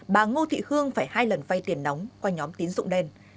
bà ngô thị hương phải hai lần vay tiền nóng qua nhóm tín dụng đen